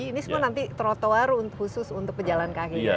ini semua nanti trotoar khusus untuk pejalan kaki